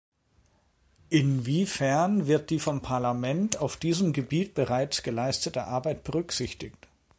Inwiefern wird die vom Parlament auf diesem Gebiet bereits geleistete Arbeit berücksichtigt?